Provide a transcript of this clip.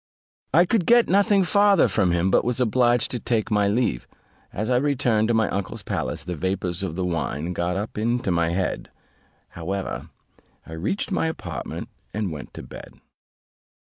I could get nothing farther from him, but was obliged to take my leave. As I returned to my uncle's palace, the vapours of the wine got up into my head; however, I reached my apartment, and went to bed.